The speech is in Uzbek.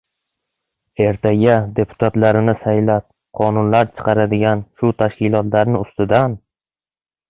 ertaga deputatlarini saylab, qonunlar chiqaradigan shu tashkilotlarni ustidan